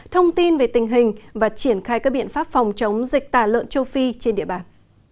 thông tin về tình hình và triển khai các biện pháp phòng chống dịch tả lợn châu phi trên địa bàn